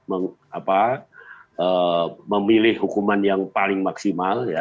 memilih hukuman yang paling maksimal